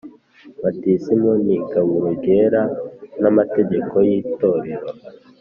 Batisimu n igaburo ryera n amategeko y Itorero